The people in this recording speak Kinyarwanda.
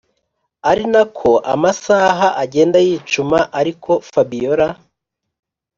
arinako amasaha agenda yicuma ariko fabiora